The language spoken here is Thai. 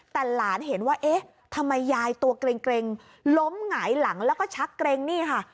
แต่หลานเห็นว่าเอ๊ะทำไมยายตัวเกร็งล้มหงายหลังแล้วก็ชักเกร็งนี่ค่ะ